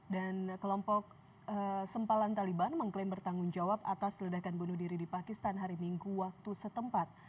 dan kelompok sempalan taliban mengklaim bertanggung jawab atas ledakan bunuh diri di pakistan hari minggu waktu setempat